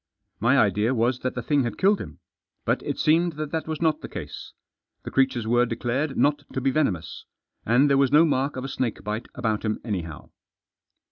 My idea was that the thing had killed him. But it seemed that that was not the case. The creatures were declared not to be venomous. And there was no mark of a snake bite about him anyhow.